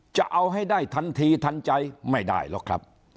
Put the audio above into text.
จะเอาให้ได้ทันทีทันใจไม่ได้หรอกครับ